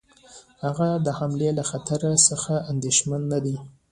هغه د حملې له خطر څخه اندېښمن نه دی.